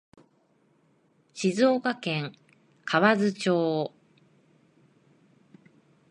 静岡県河津町